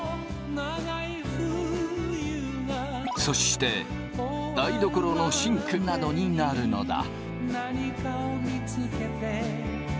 そして台所のシンクなどになるのだ。